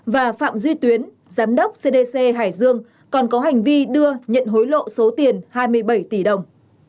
và phạm duy tuyến giám đốc cdc hải dương còn có hành vi đưa nhận hối lộ số tiền hai mươi bảy tỷ đồng